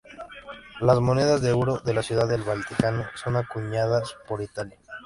Las monedas de euro de la Ciudad del Vaticano son acuñadas por Italia.